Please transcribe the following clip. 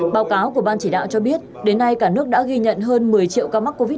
báo cáo của ban chỉ đạo cho biết đến nay cả nước đã ghi nhận hơn một mươi triệu ca mắc covid một mươi chín